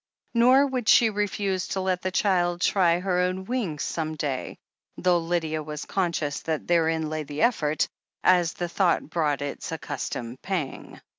Nor would she refuse to let the child try her own wings some day — ^though Lydia was conscious that THE HEEL OF ACHILLES 387 therein lay the effort, as the thought brought its accus tomed pang.